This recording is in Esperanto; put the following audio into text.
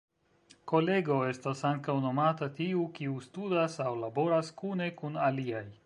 Kolego estas ankaŭ nomata tiu, kiu studas aŭ laboras kune kun aliaj.